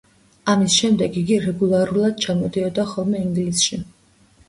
ამის შემდეგ იგი რეგულარულად ჩადიოდა ხოლმე ინგლისში.